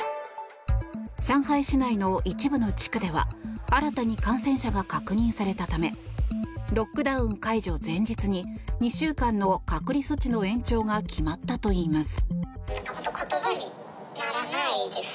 上海市内の一部の地区では新たに感染者が確認されたためロックダウン解除前日に２週間の隔離措置の延長が決まったといいます。